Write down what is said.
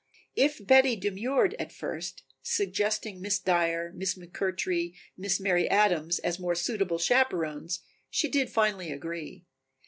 If Betty demurred at first, suggesting Miss Dyer, Miss McMurtry, Miss Mary Adams, as more suitable chaperons, she did finally agree.